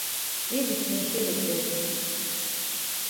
Yi di pinchay de bread.